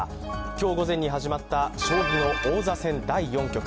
今日午前に始まった将棋の王座戦第４局。